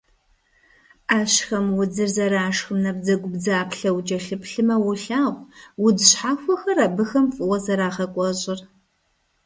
Ӏэщхэм удзыр, зэрашхым набдзэгубдзаплъэу укӀэлъыплъмэ, уолъагъу удз щхьэхуэхэр абыхэм фӀыуэ зэрагъэкӀуэщӀыр.